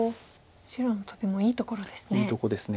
白のトビもいいところですね。